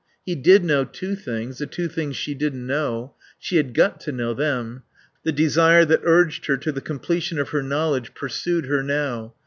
He did know two things, the two things she didn't know. She had got to know them. The desire that urged her to the completion of her knowledge pursued her now.